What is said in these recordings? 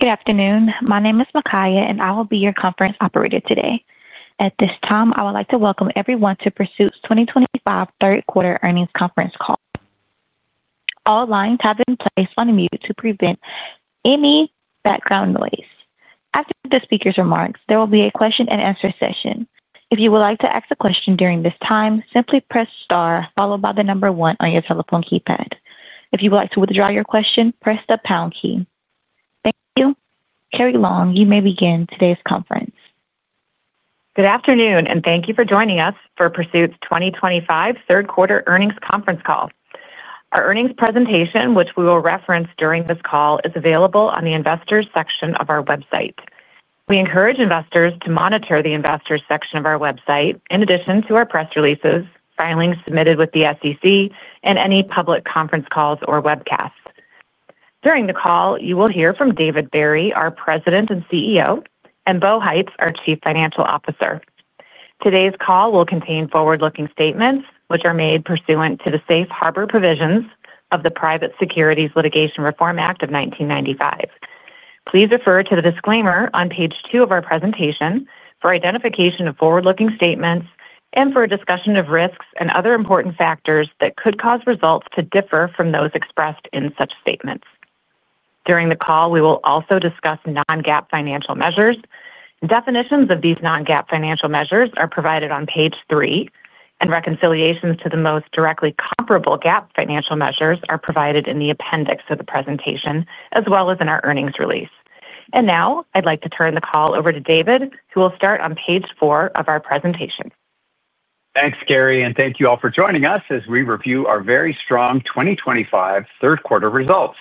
Good afternoon. My name is Makaya, and I will be your conference operator today. At this time, I would like to welcome everyone to Pursuit's 2025 third quarter earnings conference call. All lines have been placed on mute to prevent any background noise. After the speaker's remarks, there will be a question-and-answer session. If you would like to ask a question during this time, simply press star, followed by the number one on your telephone keypad. If you would like to withdraw your question, press the pound key. Thank you. Carrie Long, you may begin today's conference. Good afternoon, and thank you for joining us for Pursuit's 2025 third quarter earnings conference call. Our earnings presentation, which we will reference during this call, is available on the Investors section of our website. We encourage investors to monitor the Investors section of our website, in addition to our press releases, filings submitted with the SEC, and any public conference calls or webcasts. During the call, you will hear from David Barry, our President and CEO, and Bo Heitz, our Chief Financial Officer. Today's call will contain forward-looking statements which are made pursuant to the Safe Harbor Provisions of the Private Securities Litigation Reform Act of 1995. Please refer to the disclaimer on page two of our presentation for identification of forward-looking statements and for a discussion of risks and other important factors that could cause results to differ from those expressed in such statements. During the call, we will also discuss Non-GAAP financial measures. Definitions of these Non-GAAP financial measures are provided on page three, and reconciliations to the most directly comparable GAAP financial measures are provided in the appendix of the presentation, as well as in our earnings release. I would like to turn the call over to David, who will start on page four of our presentation. Thanks, Carrie, and thank you all for joining us as we review our very strong 2025 third quarter results.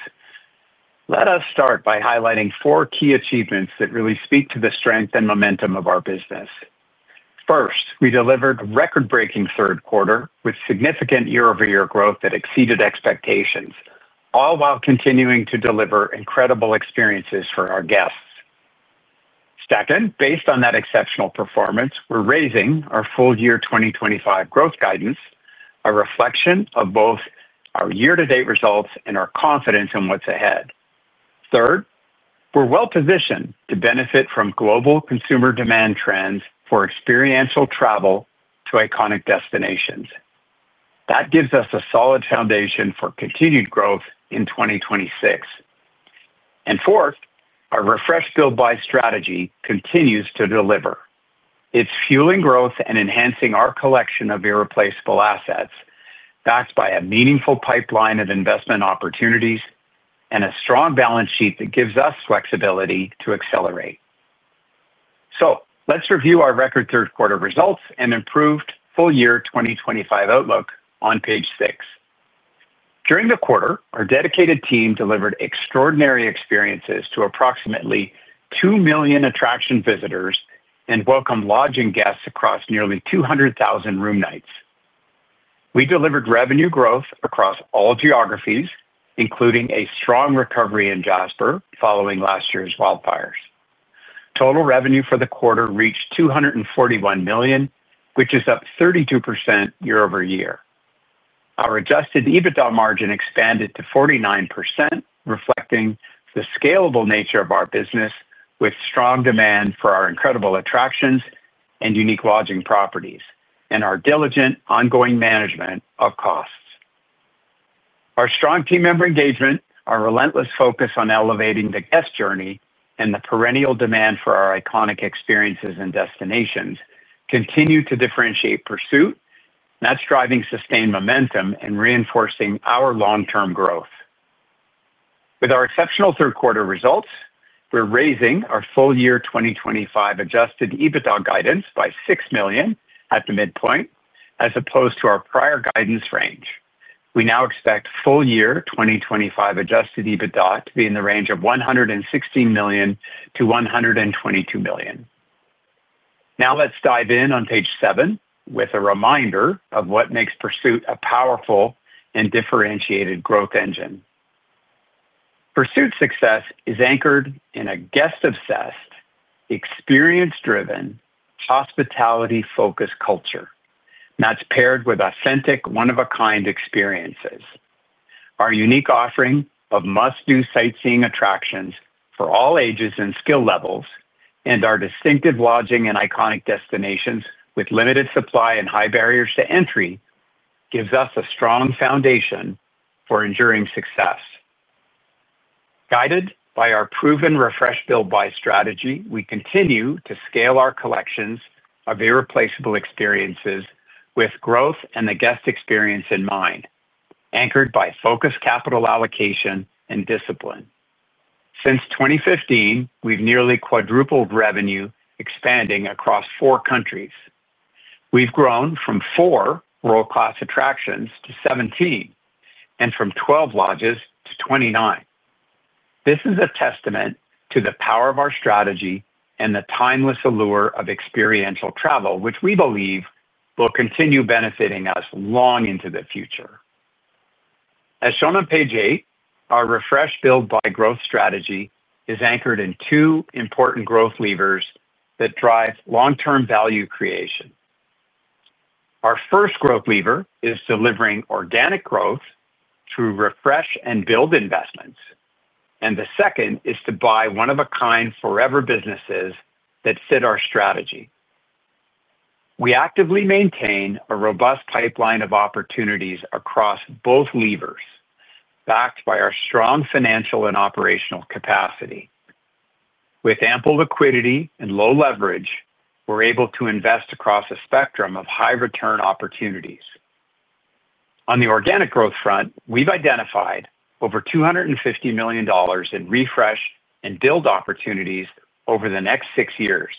Let us start by highlighting four key achievements that really speak to the strength and momentum of our business. First, we delivered a record-breaking third quarter with significant year-over-year growth that exceeded expectations, all while continuing to deliver incredible experiences for our guests. Second, based on that exceptional performance, we're raising our full-year 2025 growth guidance, a reflection of both our year-to-date results and our confidence in what's ahead. Third, we're well-positioned to benefit from global consumer demand trends for experiential travel to iconic destinations. That gives us a solid foundation for continued growth in 2026. Fourth, our refresh-build-buy strategy continues to deliver. It's fueling growth and enhancing our collection of irreplaceable assets, backed by a meaningful pipeline of investment opportunities and a strong balance sheet that gives us flexibility to accelerate. Let's review our record third quarter results and improved full-year 2025 outlook on page six. During the quarter, our dedicated team delivered extraordinary experiences to approximately 2 million attraction visitors and welcomed lodging guests across nearly 200,000 room nights. We delivered revenue growth across all geographies, including a strong recovery in Jasper following last year's wildfires. Total revenue for the quarter reached $241 million, which is up 32% year-over-year. Our Adjusted EBITDA margin expanded to 49%, reflecting the scalable nature of our business with strong demand for our incredible attractions and unique lodging properties and our diligent ongoing management of costs. Our strong team member engagement, our relentless focus on elevating the guest journey, and the perennial demand for our iconic experiences and destinations continue to differentiate Pursuit, thus driving sustained momentum and reinforcing our long-term growth. With our exceptional third quarter results, we're raising our full-year 2025 Adjusted EBITDA guidance by $6 million at the midpoint, as opposed to our prior guidance range. We now expect full-year 2025 Adjusted EBITDA to be in the range of $116 million-$122 million. Now let's dive in on page seven with a reminder of what makes Pursuit a powerful and differentiated growth engine. Pursuit's success is anchored in a guest-obsessed, experience-driven, hospitality-focused culture, that's paired with authentic, one-of-a-kind experiences. Our unique offering of must-do sightseeing attractions for all ages and skill levels, and our distinctive lodging and iconic destinations with limited supply and high barriers to entry gives us a strong foundation for enduring success. Guided by our proven refresh-build-buy strategy, we continue to scale our collections of irreplaceable experiences with growth and the guest experience in mind, anchored by focused capital allocation and discipline. Since 2015, we've nearly quadrupled revenue, expanding across four countries. We've grown from four world-class attractions to 17. And from 12 lodges to 29. This is a testament to the power of our strategy and the timeless allure of experiential travel, which we believe will continue benefiting us long into the future. As shown on page eight, our refresh-build-buy growth strategy is anchored in two important growth levers that drive long-term value creation. Our first growth lever is delivering organic growth through refresh and build investments, and the second is to buy one-of-a-kind forever businesses that fit our strategy. We actively maintain a robust pipeline of opportunities across both levers, backed by our strong financial and operational capacity. With ample liquidity and low leverage, we're able to invest across a spectrum of high-return opportunities. On the organic growth front, we've identified over $250 million in refresh and build opportunities over the next six years,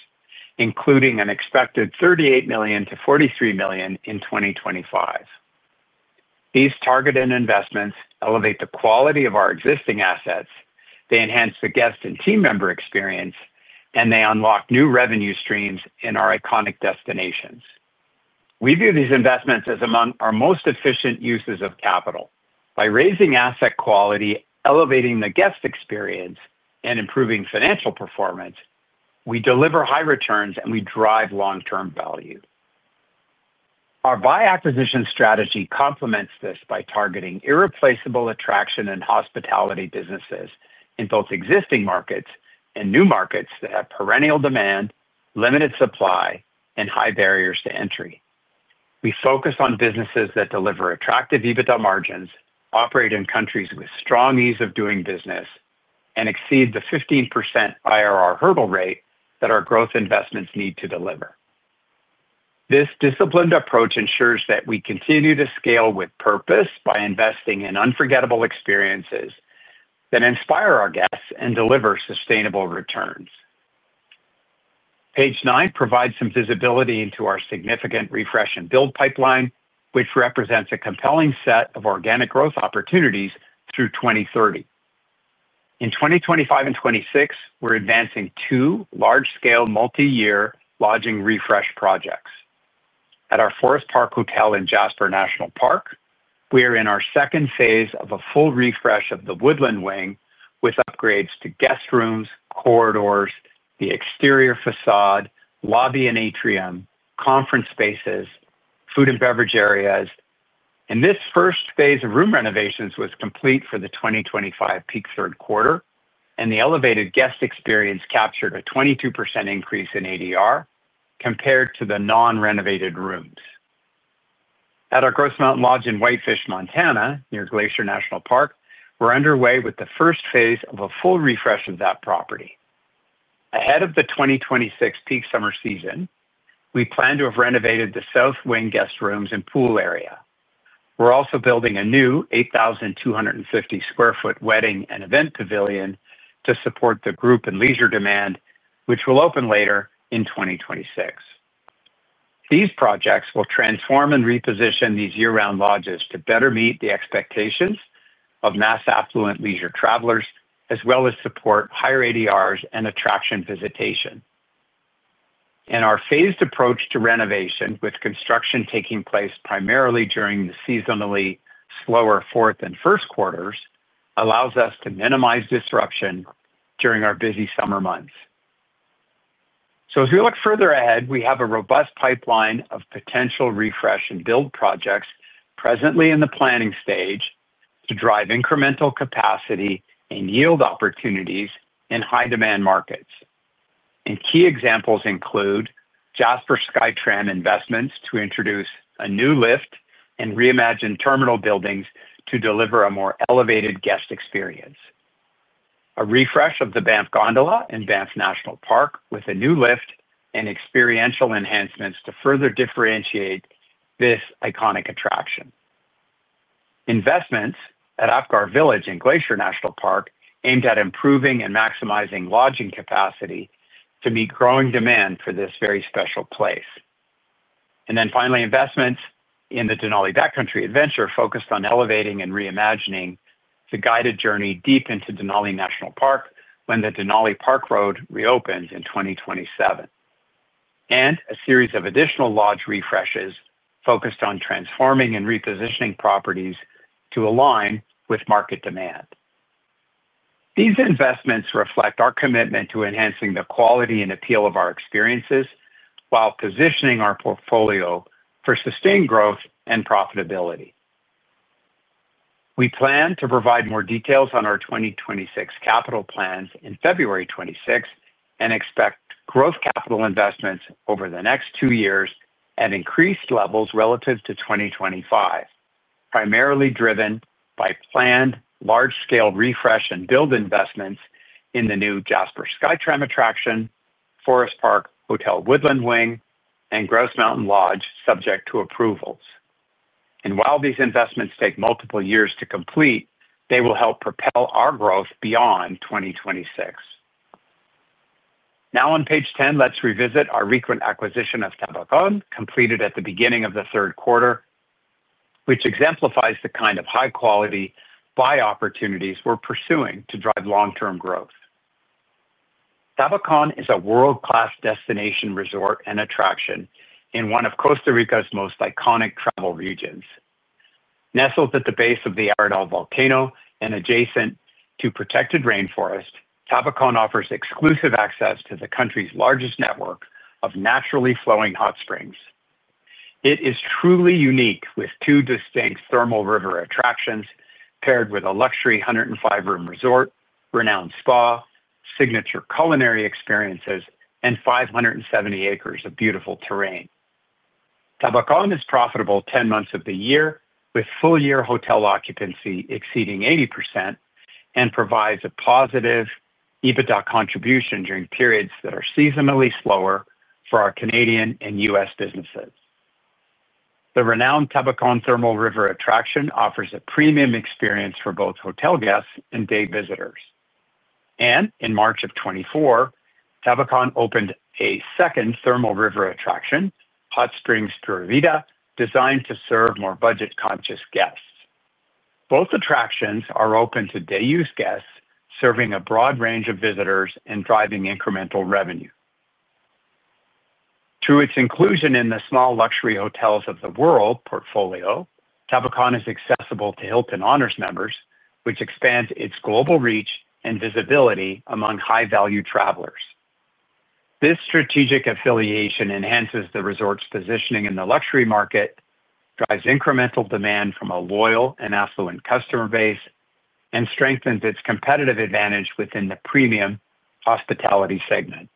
including an expected $38 million-$43 million in 2025. These targeted investments elevate the quality of our existing assets, they enhance the guest and team member experience, and they unlock new revenue streams in our iconic destinations. We view these investments as among our most efficient uses of capital. By raising asset quality, elevating the guest experience, and improving financial performance, we deliver high returns and we drive long-term value. Our buy acquisition strategy complements this by targeting irreplaceable attraction and hospitality businesses in both existing markets and new markets that have perennial demand, limited supply, and high barriers to entry. We focus on businesses that deliver attractive EBITDA margins, operate in countries with strong ease of doing business, and exceed the 15% IRR hurdle rate that our growth investments need to deliver. This disciplined approach ensures that we continue to scale with purpose by investing in unforgettable experiences that inspire our guests and deliver sustainable returns. Page nine provides some visibility into our significant refresh and build pipeline, which represents a compelling set of organic growth opportunities through 2030. In 2025 and 2026, we're advancing two large-scale multi-year lodging refresh projects. At our Forest Park Hotel in Jasper National Park, we are in our second phase of a full refresh of the Woodland Wing with upgrades to guest rooms, corridors, the exterior facade, lobby and atrium, conference spaces, food and beverage areas. This first phase of room renovations was complete for the 2025 peak third quarter, and the elevated guest experience captured a 22% increase in ADR compared to the non-renovated rooms. At our Grouse Mountain Lodge in Whitefish, Montana, near Glacier National Park, we're underway with the first phase of a full refresh of that property. Ahead of the 2026 peak summer season, we plan to have renovated the South Wing guest rooms and pool area. We're also building a new 8,250 sq ft wedding and event pavilion to support the group and leisure demand, which will open later in 2026. These projects will transform and reposition these year-round lodges to better meet the expectations of mass affluent leisure travelers, as well as support higher ADRs and attraction visitation. Our phased approach to renovation, with construction taking place primarily during the seasonally slower fourth and first quarters, allows us to minimize disruption during our busy summer months. As we look further ahead, we have a robust pipeline of potential refresh and build projects presently in the planning stage to drive incremental capacity and yield opportunities in high-demand markets. Key examples include Jasper SkyTram investments to introduce a new lift and reimagine terminal buildings to deliver a more elevated guest experience, and a refresh of the Banff Gondola in Banff National Park with a new lift and experiential enhancements to further differentiate this iconic attraction. Investments at Apgar Village in Glacier National Park aimed at improving and maximizing lodging capacity to meet growing demand for this very special place. Finally, investments in the Denali Backcountry Adventure focused on elevating and reimagining the guided journey deep into Denali National Park when the Denali Park Road reopens in 2027. A series of additional lodge refreshes focused on transforming and repositioning properties to align with market demand. These investments reflect our commitment to enhancing the quality and appeal of our experiences while positioning our portfolio for sustained growth and profitability. We plan to provide more details on our 2026 capital plans in February 2026 and expect growth capital investments over the next two years at increased levels relative to 2025. Primarily driven by planned large-scale refresh and build investments in the new Jasper SkyTram attraction, Forest Park Hotel Woodland Wing, and Grouse Mountain Lodge subject to approvals. While these investments take multiple years to complete, they will help propel our growth beyond 2026. Now on page 10, let's revisit our recent acquisition of Tabacón, completed at the beginning of the third quarter, which exemplifies the kind of high-quality buy opportunities we're pursuing to drive long-term growth. Tabacón is a world-class destination resort and attraction in one of Costa Rica's most iconic travel regions. Nestled at the base of the Arenal Volcano and adjacent to protected rainforest, Tabacón offers exclusive access to the country's largest network of naturally flowing hot springs. It is truly unique with two distinct thermal river attractions paired with a luxury 105-room resort, renowned spa, signature culinary experiences, and 570 acres of beautiful terrain. Tabacón is profitable 10 months of the year, with full-year hotel occupancy exceeding 80%, and provides a positive EBITDA contribution during periods that are seasonally slower for our Canadian and U.S. businesses. The renowned Tabacón thermal river attraction offers a premium experience for both hotel guests and day visitors. In March of 2024, Tabacón opened a second thermal river attraction, Hot Springs Pura Vida, designed to serve more budget-conscious guests. Both attractions are open to day-use guests, serving a broad range of visitors and driving incremental revenue. Through its inclusion in the Small Luxury Hotels of the World portfolio, Tabacón is accessible to Hilton Honors members, which expands its global reach and visibility among high-value travelers. This strategic affiliation enhances the resort's positioning in the luxury market, drives incremental demand from a loyal and affluent customer base, and strengthens its competitive advantage within the premium hospitality segment.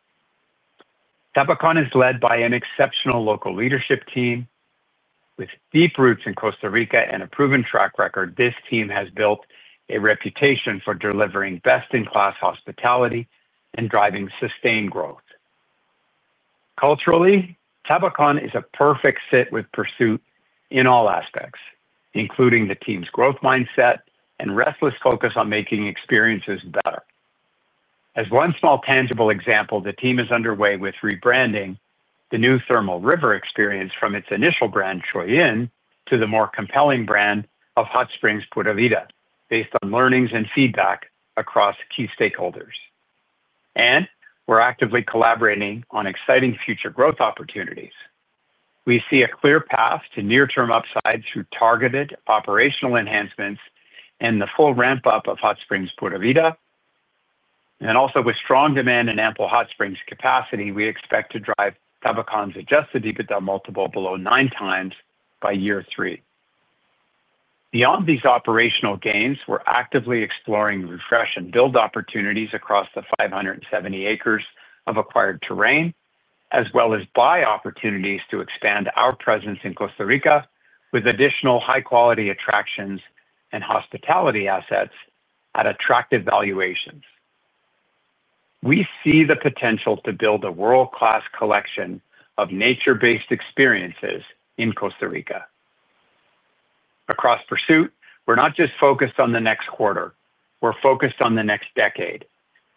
Tabacón is led by an exceptional local leadership team. With deep roots in Costa Rica and a proven track record, this team has built a reputation for delivering best-in-class hospitality and driving sustained growth. Culturally, Tabacón is a perfect fit with Pursuit in all aspects, including the team's growth mindset and restless focus on making experiences better. As one small tangible example, the team is underway with rebranding the new thermal river experience from its initial brand, Choy Inn, to the more compelling brand of Hot Springs Pura Vida, based on learnings and feedback across key stakeholders. We are actively collaborating on exciting future growth opportunities. We see a clear path to near-term upside through targeted operational enhancements and the full ramp-up of Hot Springs Pura Vida. With strong demand and ample hot springs capacity, we expect to drive Tabacón's Adjusted EBITDA multiple below nine times by year three. Beyond these operational gains, we are actively exploring refresh and build opportunities across the 570 acres of acquired terrain, as well as buy opportunities to expand our presence in Costa Rica with additional high-quality attractions and hospitality assets at attractive valuations. We see the potential to build a world-class collection of nature-based experiences in Costa Rica. Across Pursuit, we are not just focused on the next quarter; we are focused on the next decade.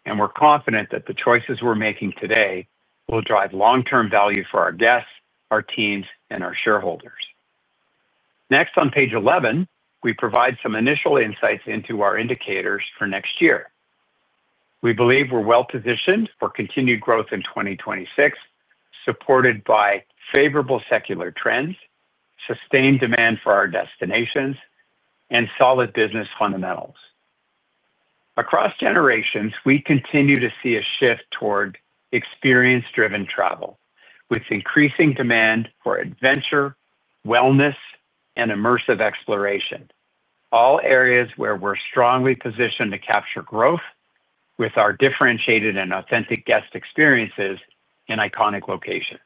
We are confident that the choices we are making today will drive long-term value for our guests, our teams, and our shareholders. Next, on page 11, we provide some initial insights into our indicators for next year. We believe we're well-positioned for continued growth in 2026, supported by favorable secular trends, sustained demand for our destinations, and solid business fundamentals. Across generations, we continue to see a shift toward experience-driven travel, with increasing demand for adventure, wellness, and immersive exploration, all areas where we're strongly positioned to capture growth with our differentiated and authentic guest experiences in iconic locations.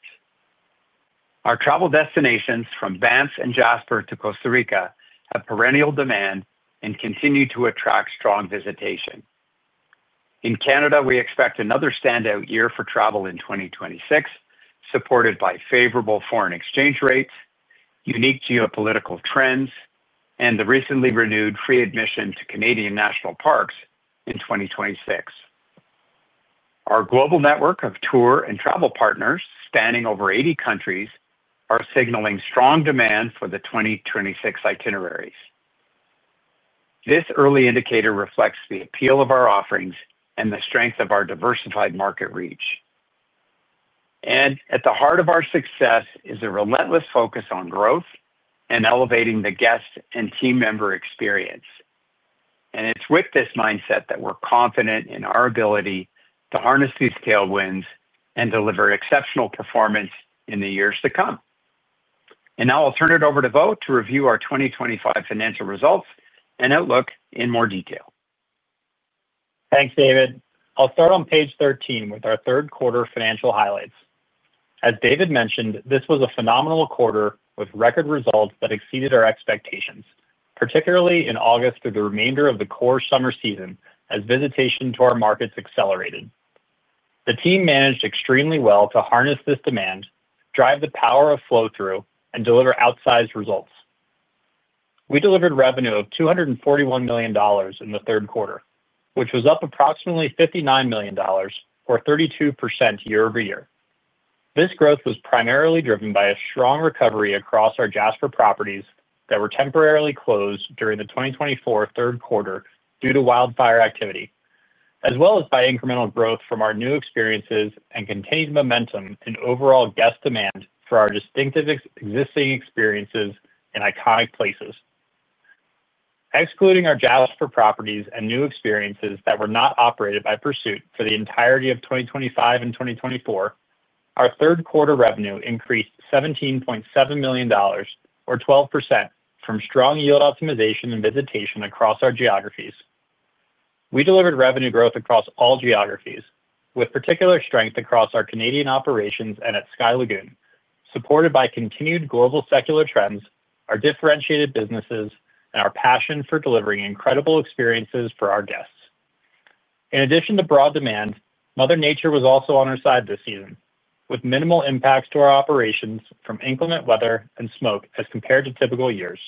Our travel destinations from Banff and Jasper to Costa Rica have perennial demand and continue to attract strong visitation. In Canada, we expect another standout year for travel in 2026, supported by favorable foreign exchange rates, unique geopolitical trends, and the recently renewed free admission to Canadian national parks in 2026. Our global network of tour and travel partners spanning over 80 countries are signaling strong demand for the 2026 itineraries. This early indicator reflects the appeal of our offerings and the strength of our diversified market reach. At the heart of our success is a relentless focus on growth and elevating the guest and team member experience. It is with this mindset that we are confident in our ability to harness these tailwinds and deliver exceptional performance in the years to come. Now I will turn it over to Bo to review our 2025 financial results and outlook in more detail. Thanks, David. I will start on page 13 with our third quarter financial highlights. As David mentioned, this was a phenomenal quarter with record results that exceeded our expectations, particularly in August through the remainder of the core summer season as visitation to our markets accelerated. The team managed extremely well to harness this demand, drive the power of flow-through, and deliver outsized results. We delivered revenue of $241 million in the third quarter, which was up approximately $59 million, or 32% year-over-year. This growth was primarily driven by a strong recovery across our Jasper properties that were temporarily closed during the 2024 third quarter due to wildfire activity, as well as by incremental growth from our new experiences and continued momentum in overall guest demand for our distinctive existing experiences in iconic places. Excluding our Jasper properties and new experiences that were not operated by Pursuit for the entirety of 2023 and 2024, our third quarter revenue increased $17.7 million, or 12%, from strong yield optimization and visitation across our geographies. We delivered revenue growth across all geographies, with particular strength across our Canadian operations and at Sky Lagoon, supported by continued global secular trends, our differentiated businesses, and our passion for delivering incredible experiences for our guests. In addition to broad demand, Mother Nature was also on our side this season, with minimal impacts to our operations from inclement weather and smoke as compared to typical years.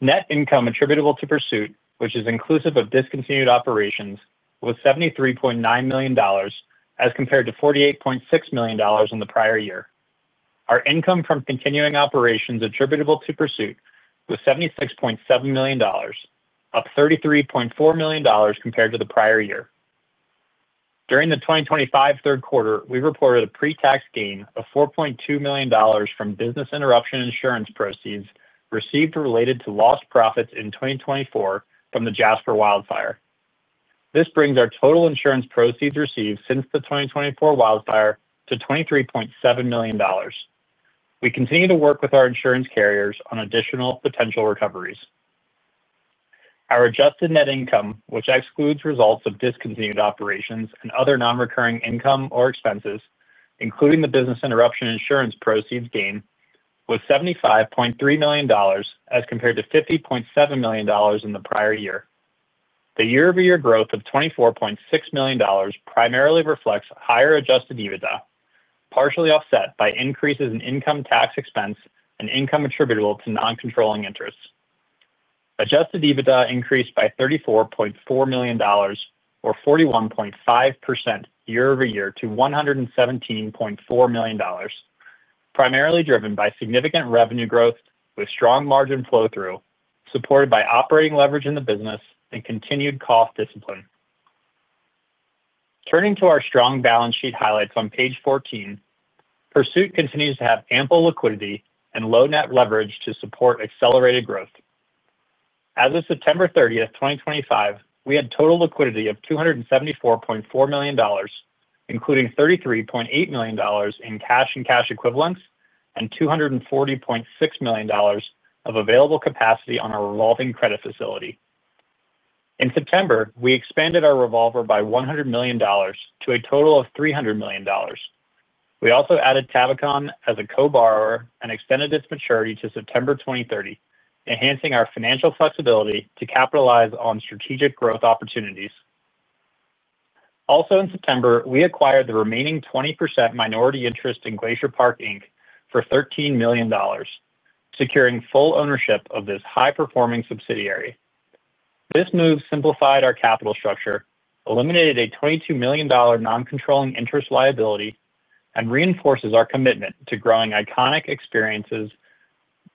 Net income attributable to Pursuit, which is inclusive of discontinued operations, was $73.9 million as compared to $48.6 million in the prior year. Our income from continuing operations attributable to Pursuit was $76.7 million, up $33.4 million compared to the prior year. During the 2025 third quarter, we reported a pre-tax gain of $4.2 million from business interruption insurance proceeds received related to lost profits in 2024 from the Jasper wildfire. This brings our total insurance proceeds received since the 2024 wildfire to $23.7 million. We continue to work with our insurance carriers on additional potential recoveries. Our adjusted net income, which excludes results of discontinued operations and other non-recurring income or expenses, including the business interruption insurance proceeds gain, was $75.3 million as compared to $50.7 million in the prior year. The year-over-year growth of $24.6 million primarily reflects higher Adjusted EBITDA, partially offset by increases in income tax expense and income attributable to non-controlling interest. Adjusted EBITDA increased by $34.4 million, or 41.5% year-over-year, to $117.4 million. Primarily driven by significant revenue growth with strong margin flow-through, supported by operating leverage in the business and continued cost discipline. Turning to our strong balance sheet highlights on page 14. Pursuit continues to have ample liquidity and low net leverage to support accelerated growth. As of September 30, 2025, we had total liquidity of $274.4 million, including $33.8 million in cash and cash equivalents and $240.6 million of available capacity on our revolving credit facility. In September, we expanded our revolver by $100 million to a total of $300 million. We also added Tabacón as a co-borrower and extended its maturity to September 2030, enhancing our financial flexibility to capitalize on strategic growth opportunities. Also, in September, we acquired the remaining 20% minority interest in Glacier Park for $13 million, securing full ownership of this high-performing subsidiary. This move simplified our capital structure, eliminated a $22 million non-controlling interest liability, and reinforces our commitment to growing iconic experiences.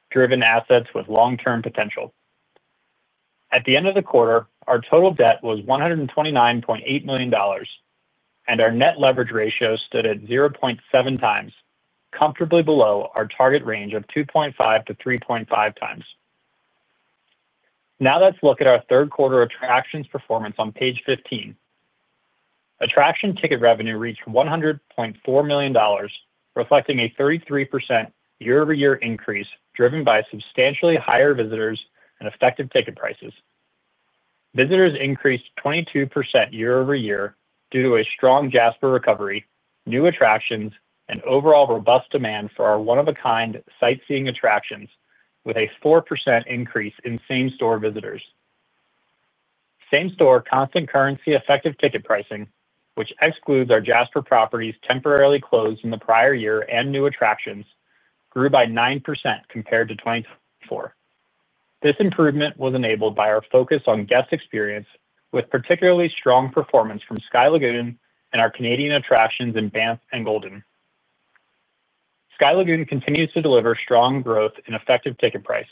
Driven assets with long-term potential. At the end of the quarter, our total debt was $129.8 million, and our net leverage ratio stood at 0.7 times, comfortably below our target range of 2.5-3.5 times. Now let's look at our third quarter attractions performance on page 15. Attraction ticket revenue reached $100.4 million, reflecting a 33% year-over-year increase driven by substantially higher visitors and effective ticket prices. Visitors increased 22% year-over-year due to a strong Jasper recovery, new attractions, and overall robust demand for our one-of-a-kind sightseeing attractions, with a 4% increase in same-store visitors. Same-store constant currency effective ticket pricing, which excludes our Jasper properties temporarily closed in the prior year and new attractions, grew by 9% compared to 2024. This improvement was enabled by our focus on guest experience, with particularly strong performance from Sky Lagoon and our Canadian attractions in Banff and Golden. Sky Lagoon continues to deliver strong growth in effective ticket price,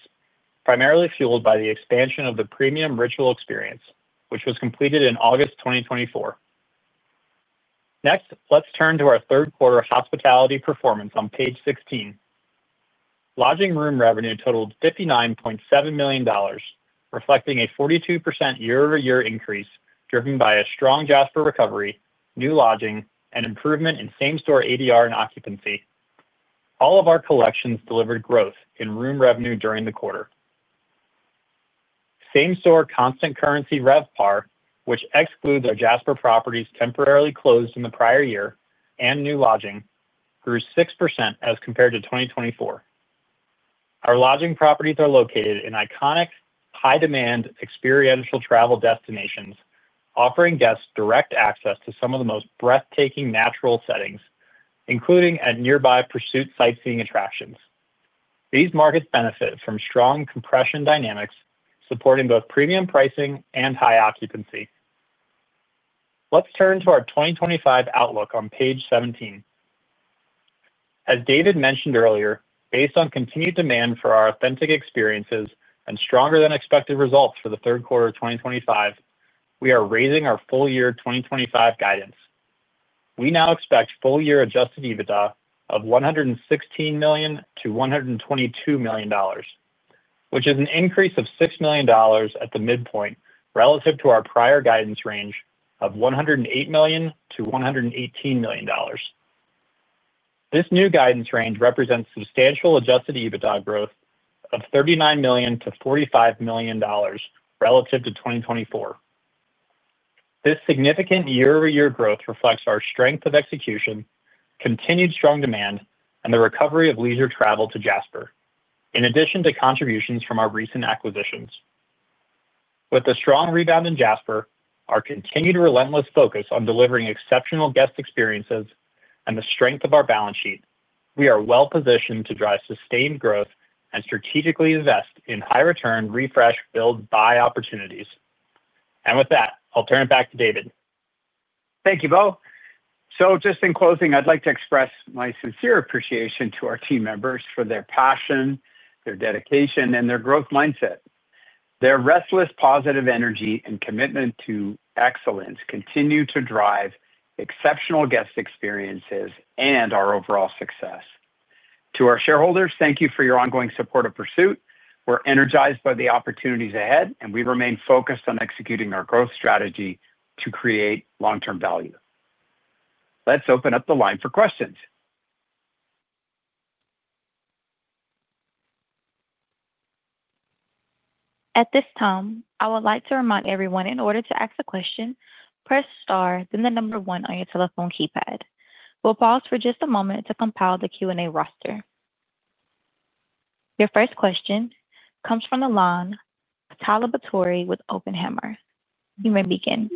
primarily fueled by the expansion of the premium ritual experience, which was completed in August 2024. Next, let's turn to our third quarter hospitality performance on page 16. Lodging room revenue totaled $59.7 million, reflecting a 42% year-over-year increase driven by a strong Jasper recovery, new lodging, and improvement in same-store ADR and occupancy. All of our collections delivered growth in room revenue during the quarter. Same-store constant currency RevPAR, which excludes our Jasper properties temporarily closed in the prior year and new lodging, grew 6% as compared to 2023. Our lodging properties are located in iconic, high-demand experiential travel destinations, offering guests direct access to some of the most breathtaking natural settings, including at nearby Pursuit sightseeing attractions. These markets benefit from strong compression dynamics, supporting both premium pricing and high occupancy. Let's turn to our 2024 outlook on page 17. As David mentioned earlier, based on continued demand for our authentic experiences and stronger-than-expected results for the third quarter of 2024, we are raising our full-year 2024 guidance. We now expect full-year Adjusted EBITDA of $116 million-$122 million, which is an increase of $6 million at the midpoint relative to our prior guidance range of $108 million-$118 million. This new guidance range represents substantial Adjusted EBITDA growth of $39 million-$45 million relative to 2024. This significant year-over-year growth reflects our strength of execution, continued strong demand, and the recovery of leisure travel to Jasper, in addition to contributions from our recent acquisitions. With the strong rebound in Jasper, our continued relentless focus on delivering exceptional guest experiences, and the strength of our balance sheet, we are well-positioned to drive sustained growth and strategically invest in high-return, refresh, build, buy opportunities. With that, I'll turn it back to David. Thank you, Bo. Just in closing, I'd like to express my sincere appreciation to our team members for their passion, their dedication, and their growth mindset. Their restless positive energy and commitment to excellence continue to drive exceptional guest experiences and our overall success. To our shareholders, thank you for your ongoing support of Pursuit. We're energized by the opportunities ahead, and we remain focused on executing our growth strategy to create long-term value. Let's open up the line for questions. At this time, I would like to remind everyone in order to ask a question, press star, then the number one on your telephone keypad. We'll pause for just a moment to compile the Q&A roster. Your first question comes from Tyler Batory with Oppenheimer. You may begin.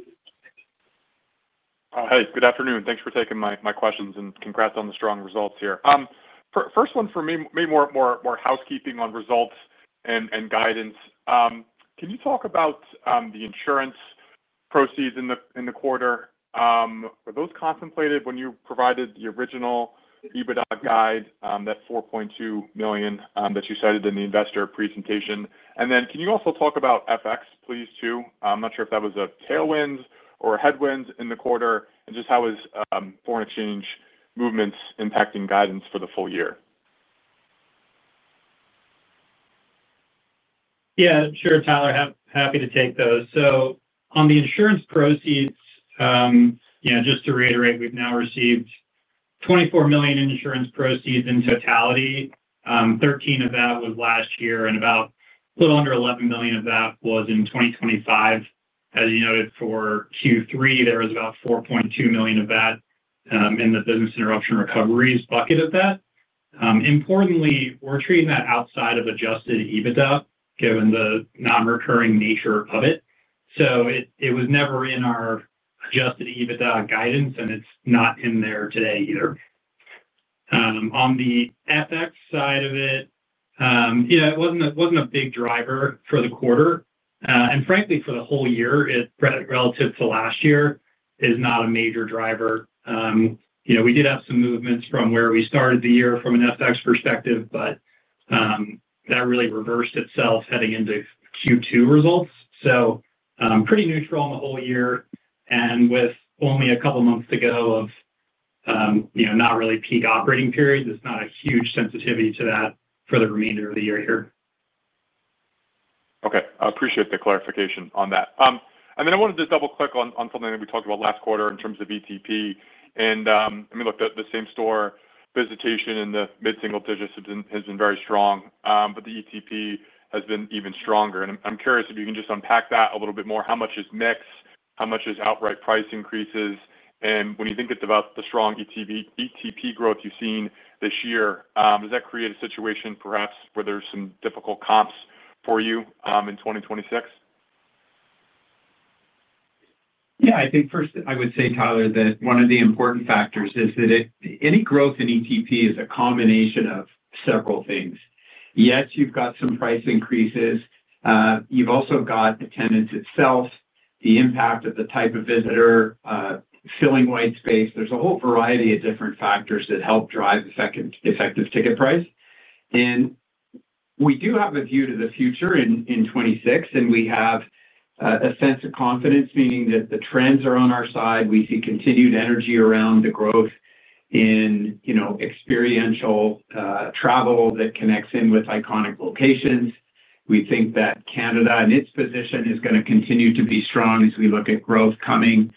Hey, good afternoon. Thanks for taking my questions and congrats on the strong results here. First one for me, more housekeeping on results and guidance. Can you talk about the insurance proceeds in the quarter? Were those contemplated when you provided the original EBITDA guide, that $4.2 million that you cited in the investor presentation? Can you also talk about FX, please, too? I'm not sure if that was a tailwind or a headwind in the quarter, and just how is foreign exchange movements impacting guidance for the full year? Yeah, sure, Tyler. Happy to take those. On the insurance proceeds, just to reiterate, we've now received $24 million in insurance proceeds in totality. Thirteen of that was last year, and about a little under $11 million of that was in 2025. As you noted for Q3, there was about $4.2 million of that in the business interruption recoveries bucket of that. Importantly, we're treating that outside of Adjusted EBITDA, given the non-recurring nature of it. It was never in our Adjusted EBITDA guidance, and it's not in there today either. On the FX side of it, it wasn't a big driver for the quarter. Frankly, for the whole year, relative to last year, it is not a major driver. We did have some movements from where we started the year from an FX perspective, but that really reversed itself heading into Q2 results. Pretty neutral on the whole year, and with only a couple of months to go of not really peak operating period, there's not a huge sensitivity to that for the remainder of the year here. Okay. I appreciate the clarification on that. I wanted to double-click on something that we talked about last quarter in terms of ETP. I mean, look, the same-store visitation in the mid-single digits has been very strong, but the ETP has been even stronger. I'm curious if you can just unpack that a little bit more. How much is mix? How much is outright price increases? When you think about the strong ETP growth you've seen this year, does that create a situation perhaps where there's some difficult comps for you in 2026? I think first I would say, Tyler, that one of the important factors is that any growth in ETP is a combination of several things. Yes, you've got some price increases. You've also got attendance itself, the impact of the type of visitor, filling white space. There's a whole variety of different factors that help drive effective ticket price. We do have a view to the future in 2026, and we have. A sense of confidence, meaning that the trends are on our side. We see continued energy around the growth in experiential travel that connects in with iconic locations. We think that Canada and its position is going to continue to be strong as we look at growth coming.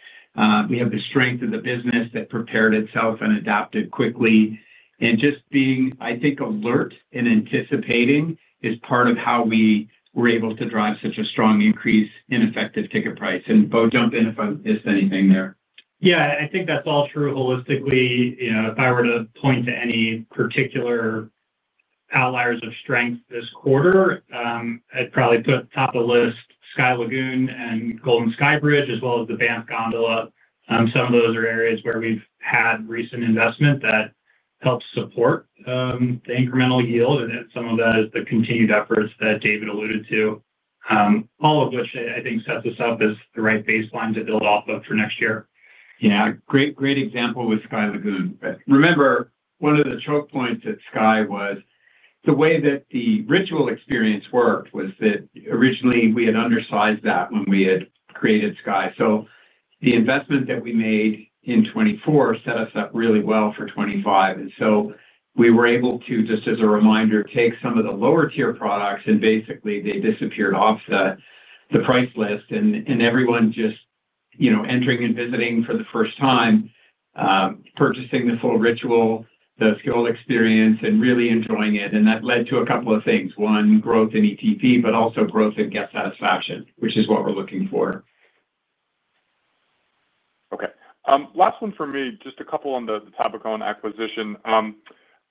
We have the strength of the business that prepared itself and adapted quickly. Just being, I think, alert and anticipating is part of how we were able to drive such a strong increase in effective ticket price. Bo, jump in if I missed anything there. Yeah, I think that's all true holistically. If I were to point to any particular outliers of strength this quarter, I'd probably put top of the list Sky Lagoon and Golden Skybridge, as well as the Banff Gondola. Some of those are areas where we've had recent investment that helps support the incremental yield. Some of that is the continued efforts that David alluded to. All of which, I think, sets us up as the right baseline to build off of for next year. Yeah, great example with Sky Lagoon. Remember, one of the choke points at Sky was the way that the ritual experience worked was that originally we had undersized that when we had created Sky. The investment that we made in 2024 set us up really well for 2025. We were able to, just as a reminder, take some of the lower-tier products, and basically, they disappeared off the price list. Everyone just entering and visiting for the first time, purchasing the full ritual, the skilled experience, and really enjoying it. That led to a couple of things. One, growth in ETP, but also growth in guest satisfaction, which is what we're looking for. Okay. Last one for me, just a couple on the Tabacón acquisition.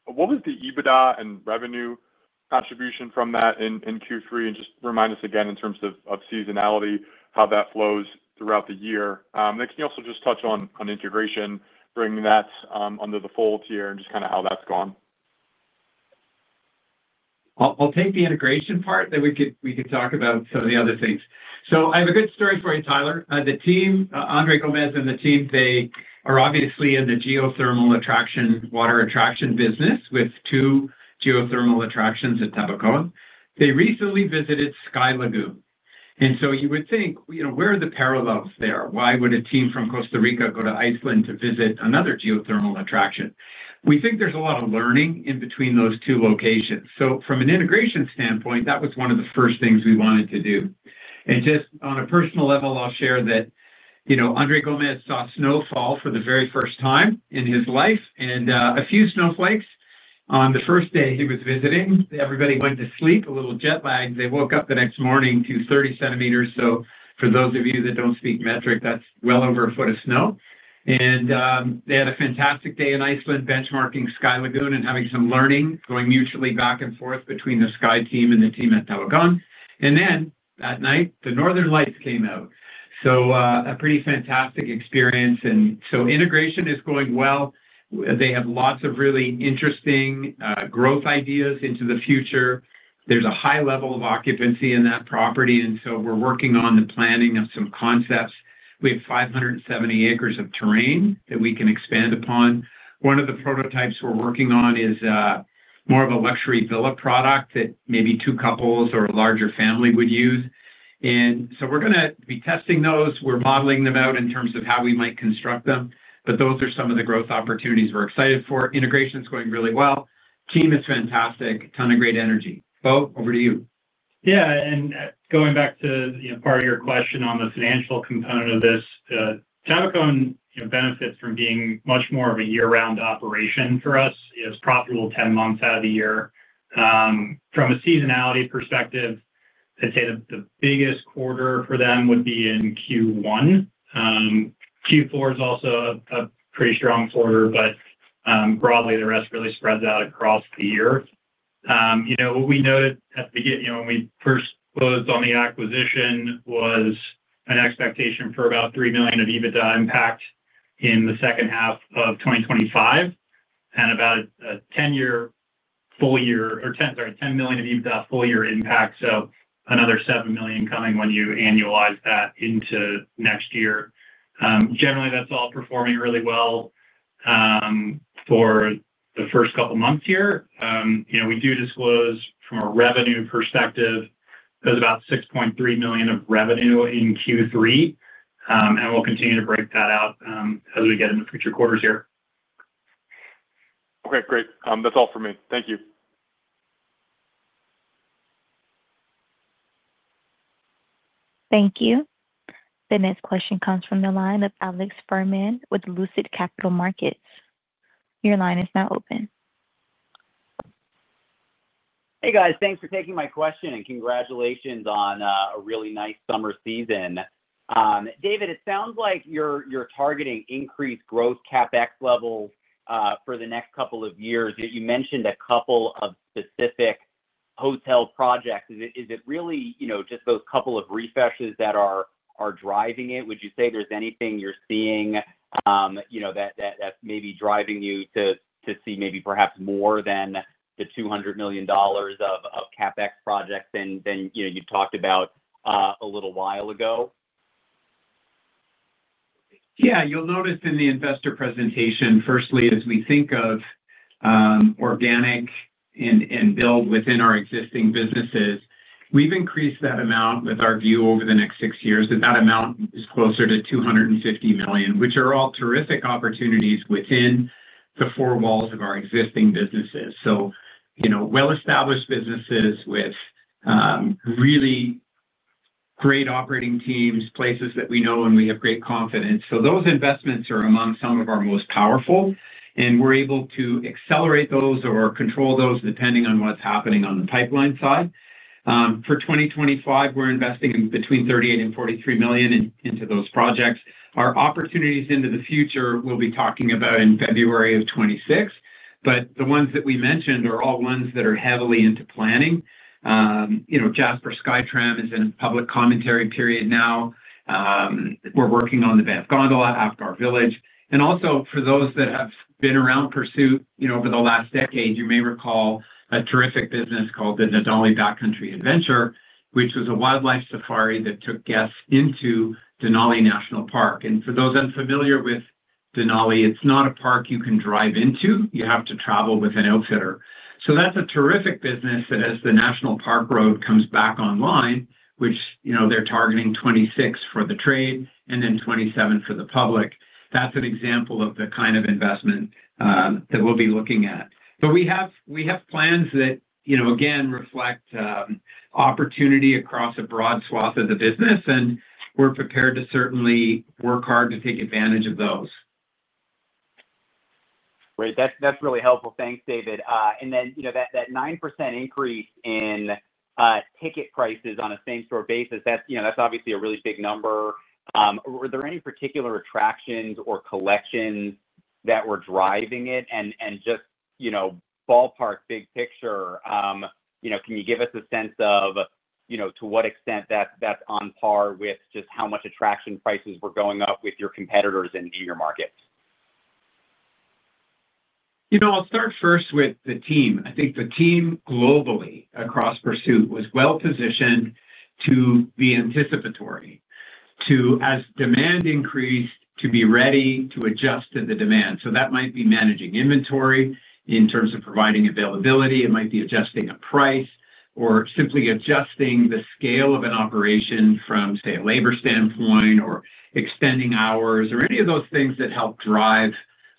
What was the EBITDA and revenue contribution from that in Q3? Just remind us again in terms of seasonality, how that flows throughout the year. Can you also just touch on integration, bringing that under the full tier and just kind of how that's gone? I'll take the integration part, then we can talk about some of the other things. I have a good story for you, Tyler. The team, Andre Gomez and the team, they are obviously in the geothermal attraction, water attraction business with two geothermal attractions at Tabacón. They recently visited Sky Lagoon. You would think, where are the parallels there? Why would a team from Costa Rica go to Iceland to visit another geothermal attraction? We think there's a lot of learning in between those two locations. From an integration standpoint, that was one of the first things we wanted to do. And just on a personal level, I'll share that Andre Gomez saw snowfall for the very first time in his life and a few snowflakes. On the first day he was visiting, everybody went to sleep, a little jet lag. They woke up the next morning to 30 cm. For those of you that do not speak metric, that is well over a foot of snow. They had a fantastic day in Iceland, benchmarking Sky Lagoon and having some learning, going mutually back and forth between the Sky team and the team at Tabacón. That night, the northern lights came out. A pretty fantastic experience. Integration is going well. They have lots of really interesting growth ideas into the future. There is a high level of occupancy in that property. We're working on the planning of some concepts. We have 570 acres of terrain that we can expand upon. One of the prototypes we're working on is more of a luxury villa product that maybe two couples or a larger family would use. We're going to be testing those. We're modeling them out in terms of how we might construct them. Those are some of the growth opportunities we're excited for. Integration is going really well. Team is fantastic. Ton of great energy. Bo, over to you. Yeah. Going back to part of your question on the financial component of this, Tabacón benefits from being much more of a year-round operation for us. It's profitable 10 months out of the year. From a seasonality perspective, I'd say the biggest quarter for them would be in Q1. Q4 is also a pretty strong quarter. Broadly, the rest really spreads out across the year. What we noted at the beginning, when we first closed on the acquisition, was an expectation for about $3 million of EBITDA impact in the second half of 2025. And about a $10 million full year, or 10, sorry, $10 million of EBITDA full year impact. So another $7 million coming when you annualize that into next year. Generally, that's all performing really well for the first couple of months here. We do disclose from a revenue perspective, there's about $6.3 million of revenue in Q3. And we'll continue to break that out as we get into future quarters here. Okay. Great. That's all for me. Thank you. Thank you. The next question comes from the line of Alex Fuhrman with Lucid Capital Markets. Your line is now open. Hey, guys. Thanks for taking my question. Congratulations on a really nice summer season. David, it sounds like you're targeting increased growth CapEx levels for the next couple of years. You mentioned a couple of specific hotel projects. Is it really just those couple of refreshes that are driving it? Would you say there's anything you're seeing that's maybe driving you to see maybe perhaps more than the $200 million of CapEx projects than you talked about a little while ago? You'll notice in the investor presentation, firstly, as we think of organic and build within our existing businesses, we've increased that amount with our view over the next six years that that amount is closer to $250 million, which are all terrific opportunities within the four walls of our existing businesses. Well-established businesses with really great operating teams, places that we know, and we have great confidence. Those investments are among some of our most powerful. We are able to accelerate those or control those depending on what is happening on the pipeline side. For 2025, we are investing between $38 million and $43 million into those projects. Our opportunities into the future we will be talking about in February of 2026. The ones that we mentioned are all ones that are heavily into planning. Jasper SkyTram is in a public commentary period now. We are working on the Banff Gondola, Apgar Village. Also, for those that have been around Pursuit over the last decade, you may recall a terrific business called the Denali Backcountry Adventure, which was a wildlife safari that took guests into Denali National Park. For those unfamiliar with Denali, it is not a park you can drive into. You have to travel with an outfitter. That's a terrific business that as the National Park Road comes back online, which they're targeting 2026 for the trade and then 2027 for the public. That's an example of the kind of investment that we'll be looking at. We have plans that, again, reflect opportunity across a broad swath of the business, and we're prepared to certainly work hard to take advantage of those. Great. That's really helpful. Thanks, David. That 9% increase in ticket prices on a same-store basis, that's obviously a really big number. Were there any particular attractions or collections that were driving it? Just ballpark, big picture, can you give us a sense of to what extent that's on par with just how much attraction prices were going up with your competitors in your market? I'll start first with the team. I think the team globally across Pursuit was well-positioned to be anticipatory, to, as demand increased, to be ready to adjust to the demand. That might be managing inventory in terms of providing availability. It might be adjusting a price or simply adjusting the scale of an operation from, say, a labor standpoint or extending hours or any of those things that help drive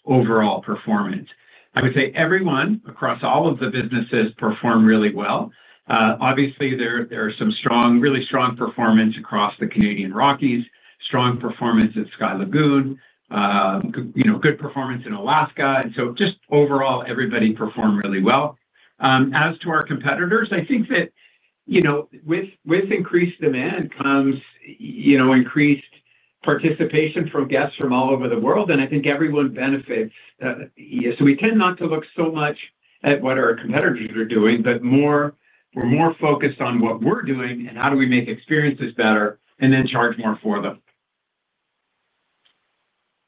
overall performance. I would say everyone across all of the businesses performed really well. Obviously, there are some really strong performance across the Canadian Rockies, strong performance at Sky Lagoon. Good performance in Alaska. Just overall, everybody performed really well. As to our competitors, I think that with increased demand comes increased participation from guests from all over the world. I think everyone benefits. So we tend not to look so much at what our competitors are doing, but we're more focused on what we're doing and how do we make experiences better and then charge more for them.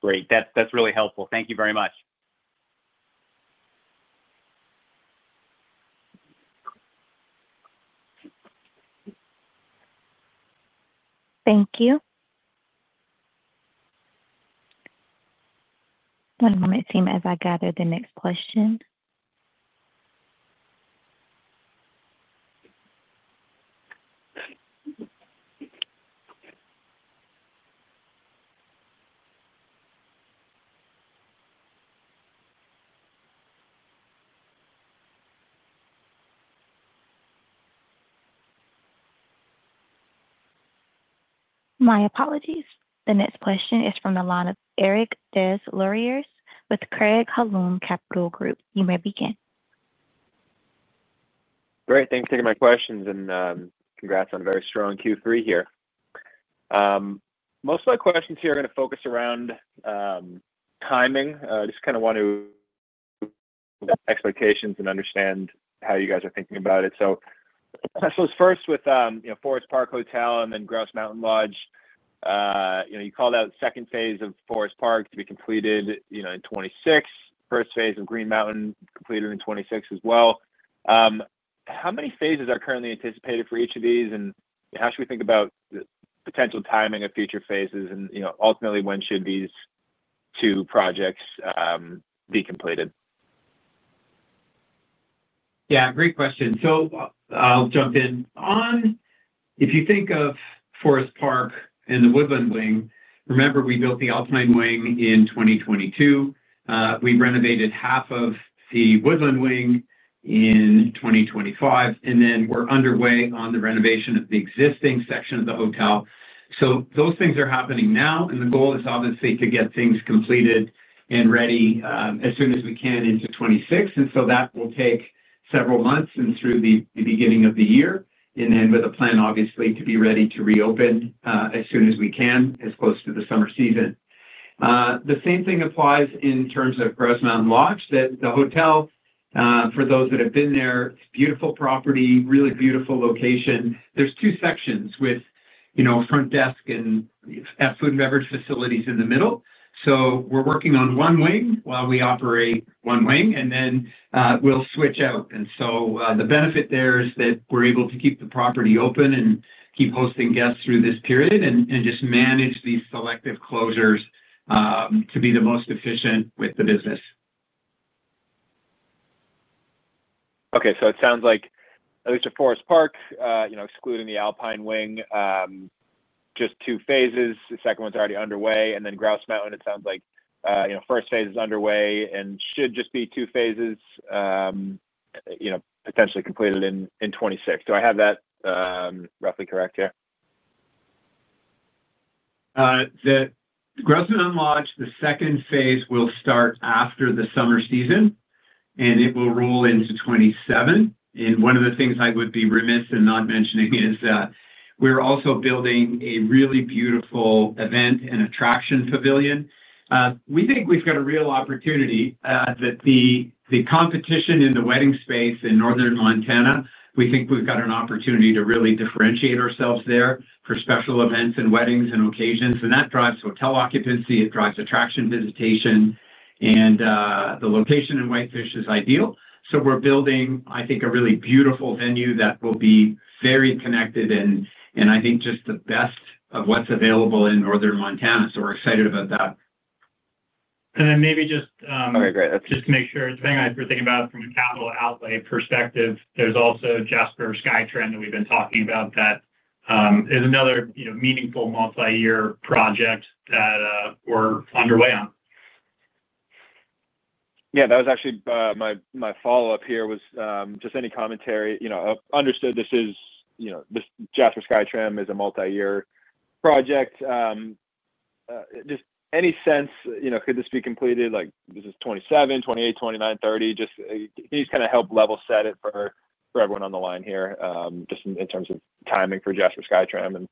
Great. That's really helpful. Thank you very much. Thank you. One moment as I gather the next question. My apologies. The next question is from the line of Eric Des Lauriers with Craig-Hallum Capital Group. You may begin. Great. Thanks for taking my questions. And congrats on a very strong Q3 here. Most of my questions here are going to focus around timing. I just kind of want to set expectations and understand how you guys are thinking about it. I suppose first with Forest Park Hotel and then Grouse Mountain Lodge. You called out the second phase of Forest Park to be completed in 2026, first phase of Grouse Mountain completed in 2026 as well. How many phases are currently anticipated for each of these? How should we think about the potential timing of future phases? Ultimately, when should these two projects be completed? Yeah. Great question. I'll jump in. If you think of Forest Park and the Woodland Wing, remember we built the Alpine Wing in 2022. We've renovated half of the Woodland Wing in 2025. We're underway on the renovation of the existing section of the hotel. Those things are happening now. The goal is obviously to get things completed and ready as soon as we can into 2026. That will take several months and through the beginning of the year. With a plan, obviously, to be ready to reopen as soon as we can as close to the summer season. The same thing applies in terms of Grouse Mountain Lodge, the hotel. For those that have been there, it is a beautiful property, really beautiful location. There are two sections with front desk and food and beverage facilities in the middle. We are working on one wing while we operate one wing, and then we will switch out. The benefit there is that we are able to keep the property open and keep hosting guests through this period and just manage these selective closures to be the most efficient with the business. Okay. It sounds like at least at Forest Park, excluding the Alpine Wing, just two phases. The second one is already underway. Grouse Mountain, it sounds like first phase is underway and should just be two phases. Potentially completed in 2026. Do I have that roughly correct here? Grouse Mountain Lodge, the second phase will start after the summer season. It will roll into 2027. One of the things I would be remiss in not mentioning is that we are also building a really beautiful event and attraction pavilion. We think we have a real opportunity that the competition in the wedding space in northern Montana, we think we have an opportunity to really differentiate ourselves there for special events and weddings and occasions. That drives hotel occupancy. It drives attraction visitation. The location in Whitefish is ideal. We are building, I think, a really beautiful venue that will be very connected. I think just the best of what is available in northern Montana. We're excited about that. Maybe just— okay, great. Just to make sure, depending on if you're thinking about it from a capital outlay perspective, there's also Jasper SkyTram that we've been talking about. That is another meaningful multi-year project that we're underway on. Yeah, that was actually my follow-up here, was just any commentary. Understood this is—Jasper SkyTram is a multi-year project. Just any sense, could this be completed? Is this 2027, 2028, 2029, 2030? Can you just kind of help level set it for everyone on the line here just in terms of timing for Jasper SkyTram?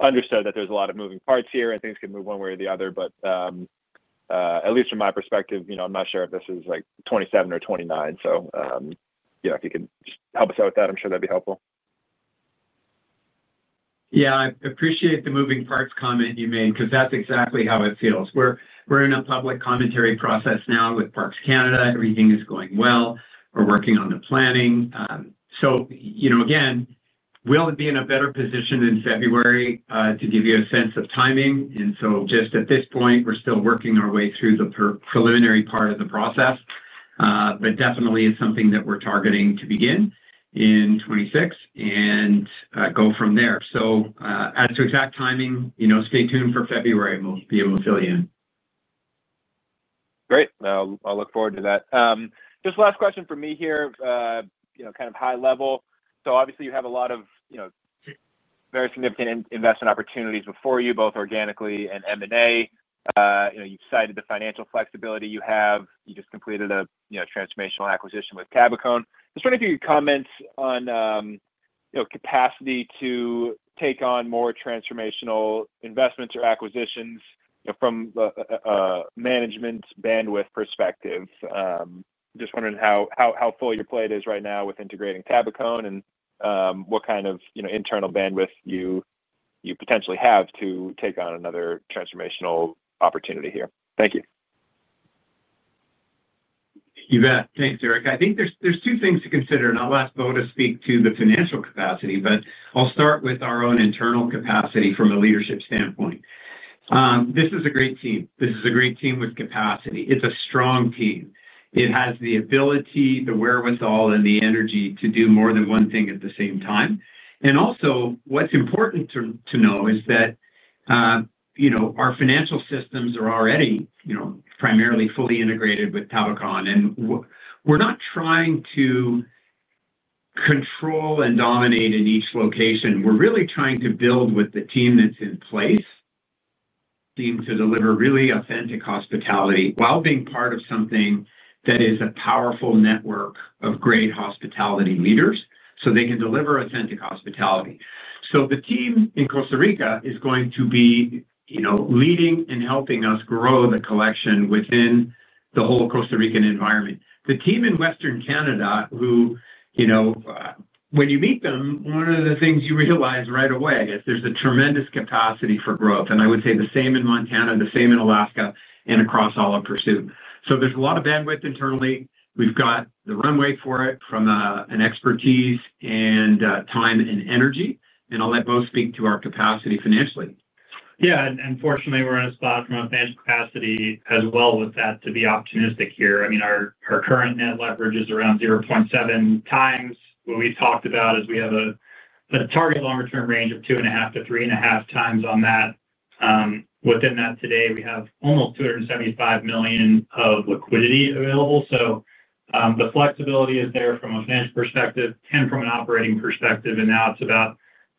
Understood that there's a lot of moving parts here and things can move one way or the other. At least from my perspective, I'm not sure if this is 2027 or 2029. If you can just help us out with that, I'm sure that'd be helpful. Yeah. I appreciate the moving parts comment you made because that's exactly how it feels. We're in a public commentary process now with Parks Canada. Everything is going well. We're working on the planning. We'll be in a better position in February to give you a sense of timing. At this point, we're still working our way through the preliminary part of the process. Definitely it's something that we're targeting to begin in 2026 and go from there. As to exact timing, stay tuned for February. We'll be able to fill you in. Great. I'll look forward to that. Just last question for me here, kind of high level. Obviously, you have a lot of very significant investment opportunities before you, both organically and M&A. You've cited the financial flexibility you have. You just completed a transformational acquisition with Tabacón. Just wondering if you could comment on capacity to take on more transformational investments or acquisitions from a management bandwidth perspective. Just wondering how full your plate is right now with integrating Tabacón and what kind of internal bandwidth you potentially have to take on another transformational opportunity here. Thank you. You bet. Thanks, Eric. I think there's two things to consider. I'll ask Bo to speak to the financial capacity, but I'll start with our own internal capacity from a leadership standpoint. This is a great team. This is a great team with capacity. It's a strong team. It has the ability, the wherewithal, and the energy to do more than one thing at the same time. Also, what's important to know is that our financial systems are already. Primarily fully integrated with Tabacón. We're not trying to control and dominate in each location. We're really trying to build with the team that's in place, team to deliver really authentic hospitality while being part of something that is a powerful network of great hospitality leaders so they can deliver authentic hospitality. The team in Costa Rica is going to be leading and helping us grow the collection within the whole Costa Rican environment. The team in Western Canada, when you meet them, one of the things you realize right away is there's a tremendous capacity for growth. I would say the same in Montana, the same in Alaska, and across all of Pursuit. There's a lot of bandwidth internally. We've got the runway for it from an expertise and time and energy. I'll let Bo speak to our capacity financially. Yeah. Fortunately, we're in a spot from a financial capacity as well with that to be optimistic here. I mean, our current net leverage is around 0.7 times. What we talked about is we have a target longer-term range of 2.5-3.5 times on that. Within that today, we have almost $275 million of liquidity available. The flexibility is there from a financial perspective, 10 from an operating perspective. Now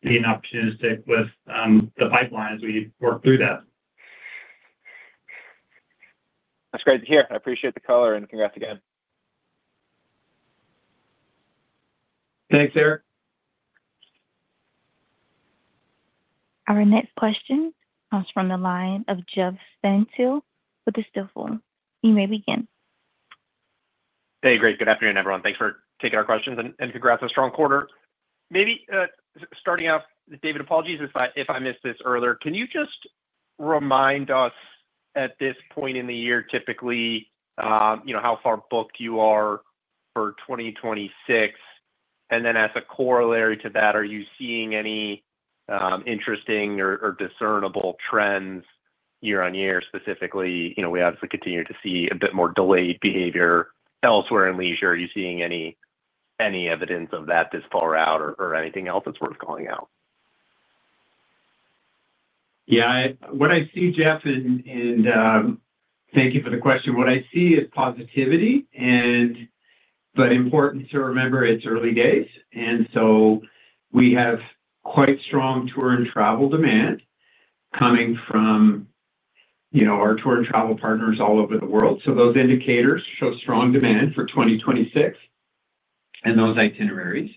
it's about being opportunistic with the pipeline as we work through that. That's great to hear. I appreciate the color. Congrats again. Thanks, Eric. Our next question comes from the line of Jeff Stantial with the Stifel. You may begin. Hey, great. Good afternoon, everyone. Thanks for taking our questions. Congrats on a strong quarter. Maybe starting off, David, apologies if I missed this earlier. Can you just remind us at this point in the year typically how far booked you are for 2026? And then as a corollary to that, are you seeing any interesting or discernible trends year on year? Specifically, we obviously continue to see a bit more delayed behavior elsewhere in leisure. Are you seeing any evidence of that this far out or anything else that's worth calling out? Yeah. What I see, Jeff, and thank you for the question, what I see is positivity. But important to remember, it's early days. We have quite strong tour and travel demand coming from our tour and travel partners all over the world. Those indicators show strong demand for 2026. Those itineraries,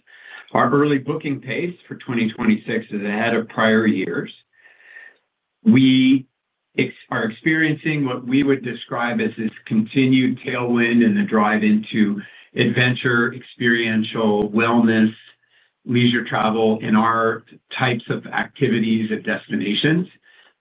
our early booking pace for 2026 is ahead of prior years. We. Are experiencing what we would describe as this continued tailwind and the drive into adventure, experiential, wellness, leisure travel, and our types of activities at destinations.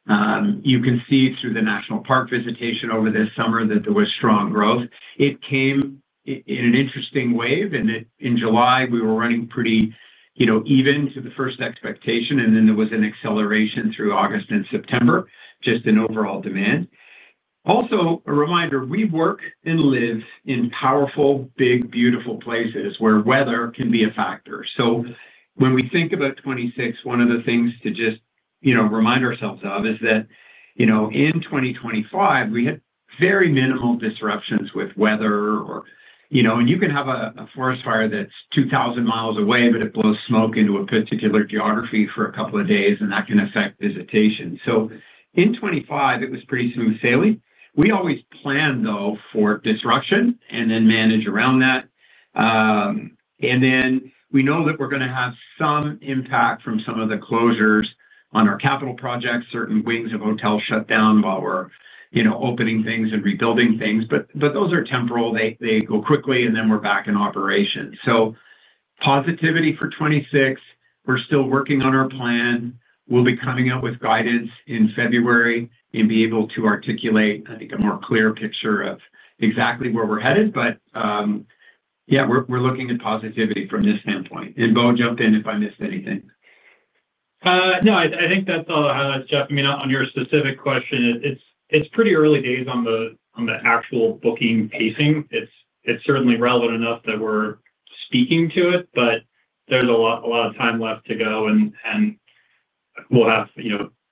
You can see through the national park visitation over this summer that there was strong growth. It came in an interesting wave. In July, we were running pretty even to the first expectation. There was an acceleration through August and September, just in overall demand. Also, a reminder, we work and live in powerful, big, beautiful places where weather can be a factor. When we think about 2026, one of the things to just remind ourselves of is that in 2025, we had very minimal disruptions with weather. You can have a forest fire that's 2,000 mi away, but it blows smoke into a particular geography for a couple of days, and that can affect visitation. In 2025, it was pretty smooth sailing. We always plan, though, for disruption and then manage around that. We know that we're going to have some impact from some of the closures on our capital projects. Certain wings of hotel shut down while we're opening things and rebuilding things. Those are temporal. They go quickly, and then we're back in operation. Positivity for 2026. We're still working on our plan. We'll be coming out with guidance in February and be able to articulate, I think, a more clear picture of exactly where we're headed. Yeah, we're looking at positivity from this standpoint. Bo, jump in if I missed anything. No, I think that's all I have, Jeff. I mean, on your specific question, it's pretty early days on the actual booking pacing. It's certainly relevant enough that we're speaking to it, but there's a lot of time left to go. We'll have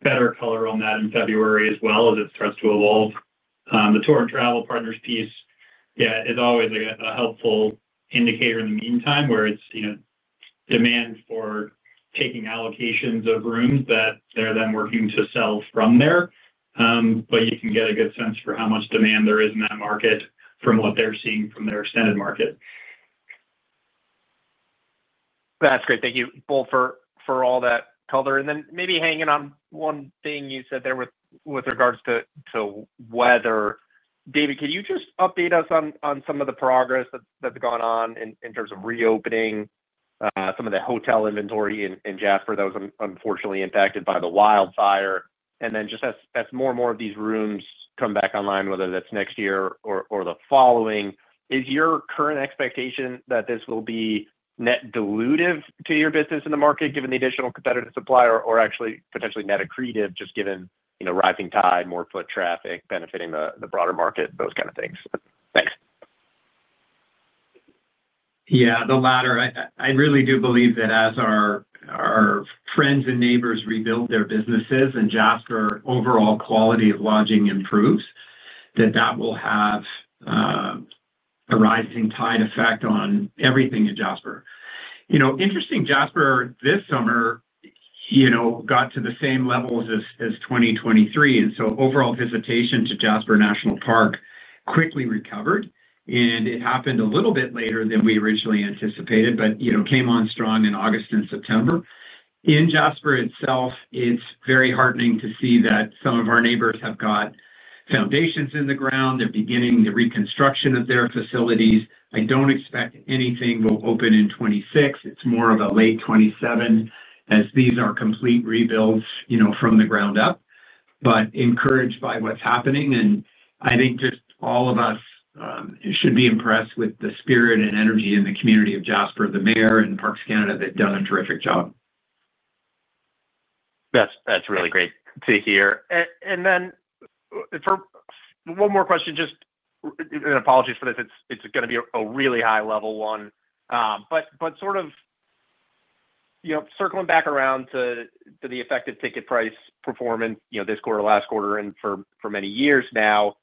better color on that in February as well as it starts to evolve. The tour and travel partners piece, yeah, is always a helpful indicator in the meantime where it's demand for taking allocations of rooms that they're then working to sell from there. You can get a good sense for how much demand there is in that market from what they're seeing from their extended market. That's great. Thank you, Bo, for all that color. Maybe hanging on one thing you said there with regards to weather. David, could you just update us on some of the progress that's gone on in terms of reopening some of the hotel inventory in Jasper that was unfortunately impacted by the wildfire? Just as more and more of these rooms come back online, whether that's next year or the following, is your current expectation that this will be net dilutive to your business in the market given the additional competitive supply or actually potentially net accretive just given rising tide, more foot traffic, benefiting the broader market, those kind of things? Thanks. Yeah, the latter. I really do believe that as our friends and neighbors rebuild their businesses and Jasper's overall quality of lodging improves, that that will have a rising tide effect on everything at Jasper. Interesting, Jasper this summer got to the same levels as 2023. Overall visitation to Jasper National Park quickly recovered. It happened a little bit later than we originally anticipated, but came on strong in August and September. In Jasper itself, it's very heartening to see that some of our neighbors have got foundations in the ground. They're beginning the reconstruction of their facilities. I don't expect anything will open in 2026. It's more of a late 2027 as these are complete rebuilds from the ground up, but encouraged by what's happening. I think just all of us should be impressed with the spirit and energy in the community of Jasper, the mayor, and Parks Canada that have done a terrific job. That's really great to hear. For one more question, just apologies for this. It's going to be a really high-level one, but sort of circling back around to the effective ticket price performance this quarter, last quarter, and for many years now.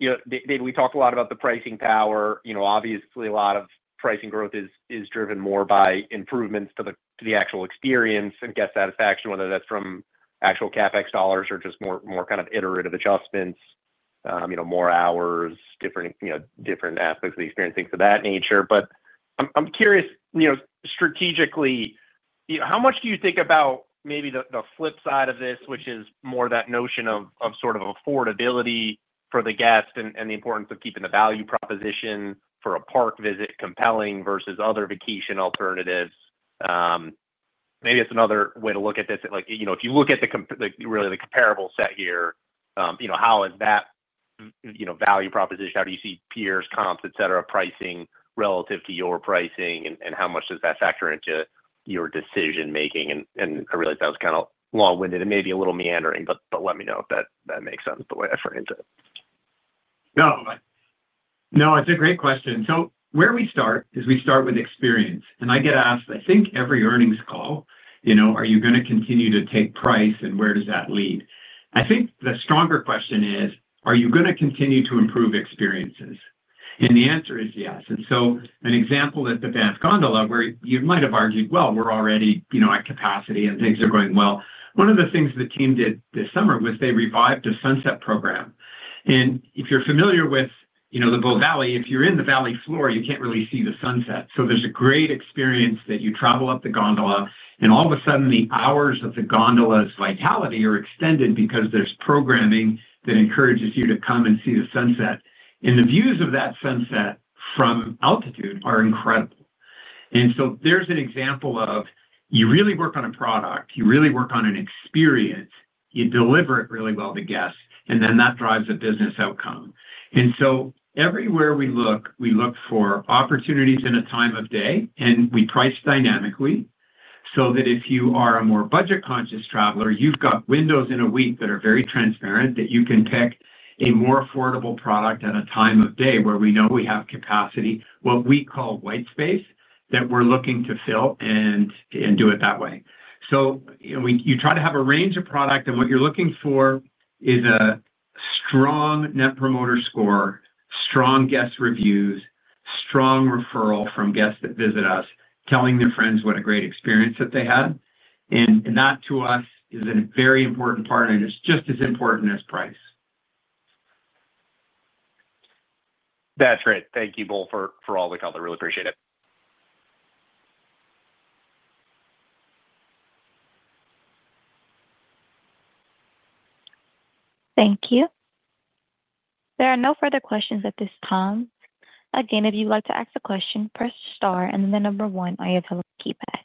David, we talked a lot about the pricing power. Obviously, a lot of pricing growth is driven more by improvements to the actual experience and guest satisfaction, whether that's from actual CapEx dollars or just more kind of iterative adjustments, more hours, different aspects of the experience, things of that nature. But I'm curious. Strategically, how much do you think about maybe the flip side of this, which is more that notion of sort of affordability for the guest and the importance of keeping the value proposition for a park visit compelling versus other vacation alternatives? Maybe it's another way to look at this. If you look at really the comparable set here, how is that value proposition? How do you see peers, comps, etc., pricing relative to your pricing, and how much does that factor into your decision-making? I realize that was kind of long-winded and maybe a little meandering, but let me know if that makes sense the way I phrased it. No. No, it's a great question. Where we start is we start with experience. I get asked, I think, every earnings call, "Are you going to continue to take price? And where does that lead?" I think the stronger question is, "Are you going to continue to improve experiences?" The answer is yes. An example is the Banff Gondola, where you might have argued, "Well, we're already at capacity and things are going well." One of the things the team did this summer was they revived a sunset program. If you're familiar with the Bow Valley, if you're in the valley floor, you can't really see the sunset. There's a great experience that you travel up the gondola, and all of a sudden, the hours of the gondola's vitality are extended because there's programming that encourages you to come and see the sunset. The views of that sunset from altitude are incredible. There's an example of you really work on a product. You really work on an experience. You deliver it really well to guests. That drives a business outcome. Everywhere we look, we look for opportunities in a time of day. We price dynamically so that if you are a more budget-conscious traveler, you've got windows in a week that are very transparent that you can pick a more affordable product at a time of day where we know we have capacity, what we call white space, that we're looking to fill and do it that way. You try to have a range of product. What you're looking for is a strong net promoter score, strong guest reviews, strong referral from guests that visit us, telling their friends what a great experience that they had. That, to us, is a very important part. It's just as important as price. That's great. Thank you, Bo, for all the color. Really appreciate it. Thank you. There are no further questions at this time. Again, if you'd like to ask a question, press star and then the number one on your keypad.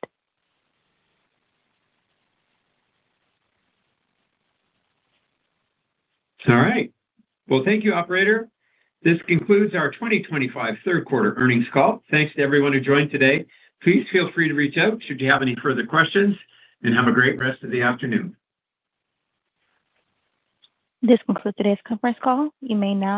All right. Thank you, operator. This concludes our 2025 third-quarter earnings call. Thanks to everyone who joined today. Please feel free to reach out should you have any further questions. Have a great rest of the afternoon. This concludes today's conference call. You may now disconnect.